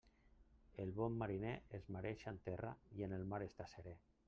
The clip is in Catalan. El bon mariner es mareja en terra i en mar està seré.